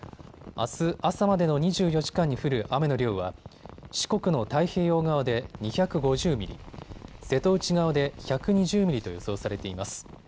あす朝までの２４時間に降る雨の量は四国の太平洋側で２５０ミリ、瀬戸内側で１２０ミリと予想されています。